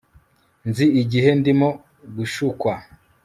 Nzi igihe ndimo gushukwa